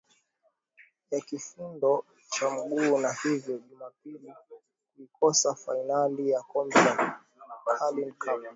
ya kifundo cha mguu na hivyo jumapili kuikosa fainali ya kombe la carlin cup